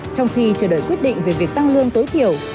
trong khi chờ đợi quyết định về việc tăng lương tối thiểu